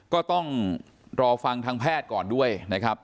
ก็ต้องรอฟังทางแพทย์ก่อนด้วยนะครับ